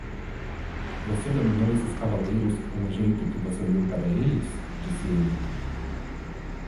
"Você dominou esses cavaleiros com o jeito que você olhou para eles?", disse ele.